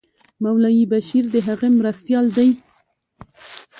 مولوي بشیر د هغه مرستیال دی.